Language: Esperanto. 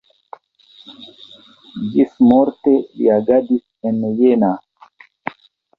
Ĝismorte li agadis en Jena.